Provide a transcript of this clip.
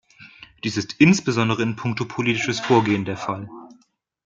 Dies ist insbesondere in puncto politisches Vorgehen der Fall.